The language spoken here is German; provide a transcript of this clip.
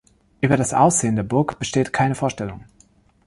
Über das Aussehen der Burg besteht keine Vorstellung.